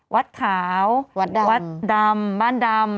วัดขาววัดดำบ้านดำ